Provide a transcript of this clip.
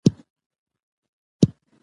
یو وزر دی د وطن د آسمان ، باز